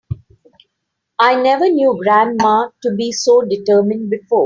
I never knew grandma to be so determined before.